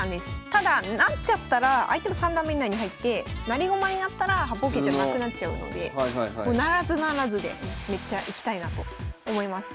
ただ成っちゃったら相手の三段目以内に入って成り駒になったら八方桂じゃなくなっちゃうので不成不成でめっちゃいきたいなと思います。